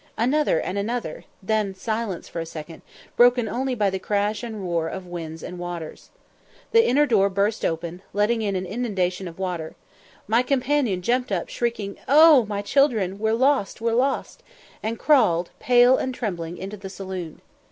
Another and another then silence for a second, broken only by the crash and roar of winds and waters. The inner door burst open, letting in an inundation of water. My companion jumped up, shrieking, "Oh, my children! we're lost we're lost!" and crawled, pale and trembling, into the saloon.